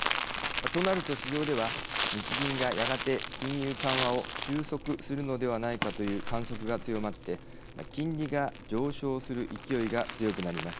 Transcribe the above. となると市場では日銀がやがて金融緩和を収束するのではないかという観測が強まって金利が上昇する勢いが強くなります。